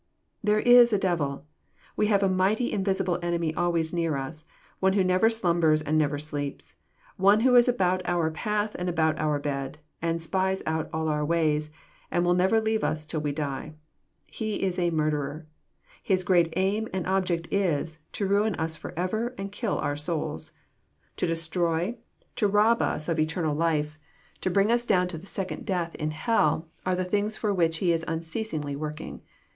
There is a devil ! We have a mighty invisible enemy always near us,— one who never slumbers and never sleeps, — one who is about our path and about our bed, and spies out all our ways, and will never leave us till we die. — He is a murderer I His great aim and object is, to rum u« for ever and kill our souls. To destroy, to rob us of eternal 112 EXP09IT0BT THOUGHTS. life, to bring us down to the second death in hell, are tbe things for which he is unceasingly working.